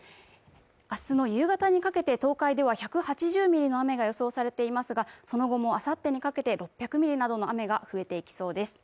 明日の夕方にかけて東海では１８０ミリの雨が予想されていますがその後もあさってにかけて６００ミリなどの雨が増えていきそうです。